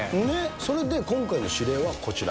それで今回の指令はこちら。